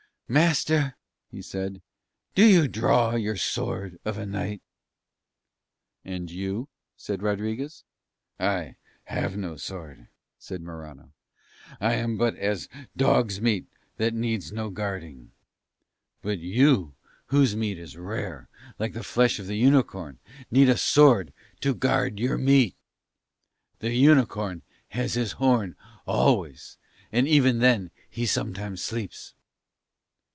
"Master," he said, "do you draw your sword of a night?" "And you?" said Rodriguez. "I have no sword," said Morano. "I am but as dog's meat that needs no guarding, but you whose meat is rare like the flesh of the unicorn need a sword to guard your meat. The unicorn has his horn always, and even then he sometimes sleeps."